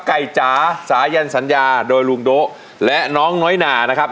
จ๋าสายันสัญญาโดยลุงโดะและน้องน้อยนานะครับ